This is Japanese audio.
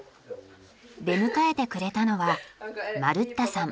出迎えてくれたのはマルッタさん